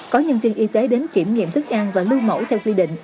có nhân viên y tế đến kiểm nghiệm thức ăn và lưu mẫu theo quy định